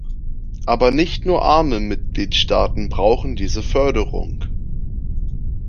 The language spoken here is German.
Aber nicht nur arme Mitgliedstaaten brauchen diese Förderung.